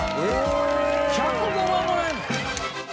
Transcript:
１０５万もらえるの！？